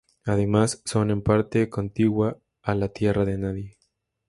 Además, son en parte contigua a la ""tierra de nadie"".